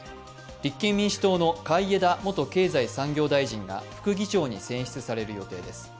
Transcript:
立憲民主党の海江田元経済産業大臣が副議長に選出される予定です。